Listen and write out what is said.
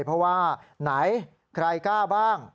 เพราะว่าไหนใครกล้าบ้าง